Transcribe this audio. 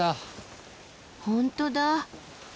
本当だ。